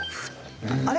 あれ？